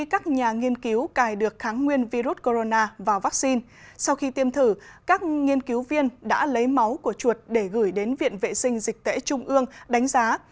các nghiên cứu viên đã lấy máu của chuột để gửi đến viện vệ sinh dịch tễ trung ương đánh giá